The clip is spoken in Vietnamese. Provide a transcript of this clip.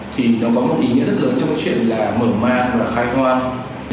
thì nó có một ý nghĩa rất lớn trong cái chuyện là mở mang và khai hoang